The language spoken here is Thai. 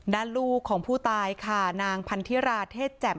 ลูกของผู้ตายค่ะนางพันธิราเทศแจ่ม